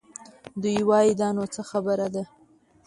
دوی وايي دا نو څه خبره ده؟